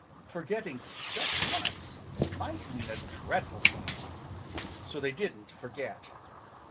Forgetting just once might mean a dreadful thing. So they didn't forget.